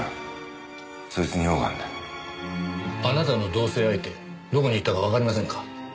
あなたの同棲相手どこに行ったかわかりませんか？